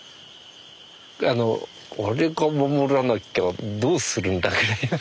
あの俺が守らなきゃどうするんだぐらいなね。